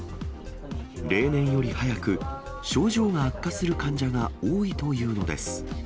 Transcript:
例年より早く症状が悪化する患者が多いというのです。